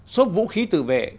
sốp vũ khí tự vệ